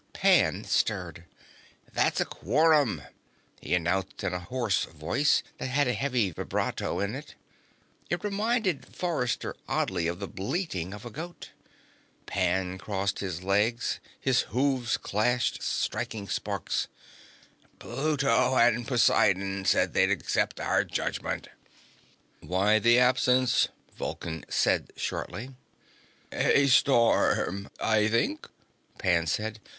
Pan stirred. "That's a quorum," he announced in a hoarse voice that had a heavy vibrato in it. It reminded Forrester, oddly, of the bleating of a goat. Pan crossed his legs and his hooves clashed, striking sparks. "Pluto and Poseidon said they'd accept our judgment." "Why the absence?" Vulcan said shortly. "A storm, I think," Pan said.